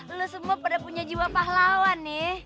oh lo semua pada punya jiwa pahlawan nih